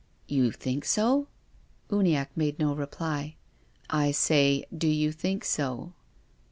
" You think so ?" Uniacke made no reply. " I say, do you think so